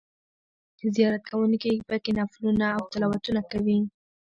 زیارت کوونکي په کې نفلونه او تلاوتونه کوي.